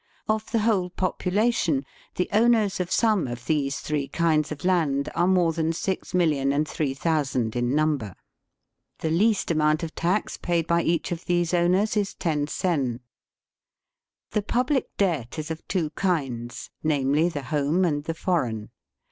Of the whole population, the owners of some of these three kinds of land are more than 6,003,000 in number. The least amount of tax paid by each of these owners is ten sen. The public debt is of two kinds, namely^ the home and the foreign.